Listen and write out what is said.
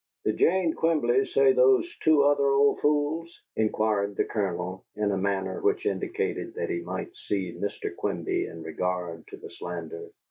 '" "Did Jane Quimby say 'those two other old fools'?" inquired the Colonel, in a manner which indicated that he might see Mr. Quimby in regard to the slander.